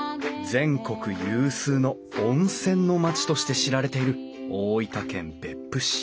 全国有数の温泉の町として知られている大分県別府市